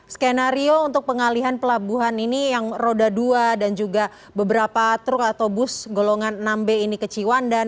skenario untuk pengalihan pelabuhan ini yang roda dua dan juga beberapa truk atau bus golongan enam b ini ke ciwandan